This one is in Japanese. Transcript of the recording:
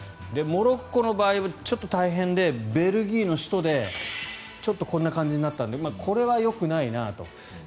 モロッコの場合はちょっと大変でベルギーの首都でちょっとこんな感じになったのでこれはよくないなと。